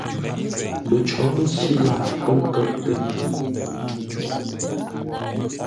Məcǒ mə́cí lâʼ pə́ kə́ʼtə́.